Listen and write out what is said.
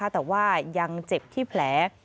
แต่ว่ายังเจ็บที่แผล